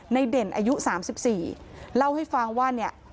เด่นอายุ๓๔เล่าให้ฟังว่าเนี่ย